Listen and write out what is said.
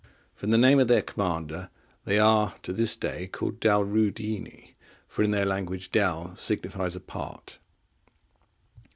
From the name of their commander, they are to this day called Dalreudini; for, in their language, Dal signifies a part.